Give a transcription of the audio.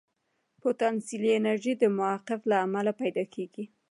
پوتانسیلي انرژي د موقف له امله پیدا کېږي.